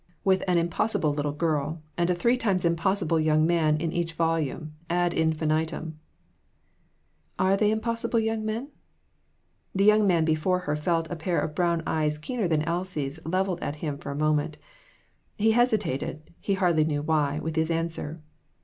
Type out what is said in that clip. With an impossible little girl, and a three times impossible young man in each volume, ad infinitum" " Are they impossible young men ?" The young man before her felt a pair of brown eyes keener than Elsie's leveled at him for a moment. He hesitated, he hardly knew why, with his answer.